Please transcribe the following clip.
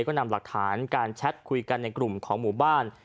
ก็นำหลักฐานการแชทคุยกันในกลุ่มของหมู่บ้าน